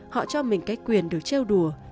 họ cho mình cái quyền được treo đùa